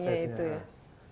loadingnya itu ya